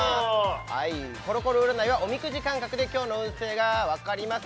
コロコロ占いはおみくじ感覚で今日の運勢がわかります